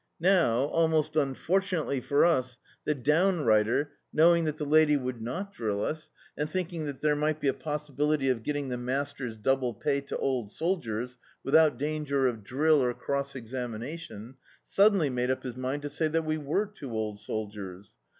Now, almost unfortunately for us, the downrighter, knowing that the lady would not drill us, and thinking that there might be a possibility of getting the master's double pay to old soldiers, without danger of drill or cross examina tion — suddenly made up his mind to say that we were two old soldiers.